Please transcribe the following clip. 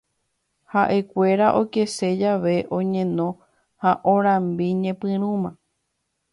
Haʼekuéra okese jave oñeno ha orambi ñepyrũma.